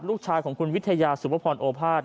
ลูกชายของคุณวิทยาสุภพรโอภาษ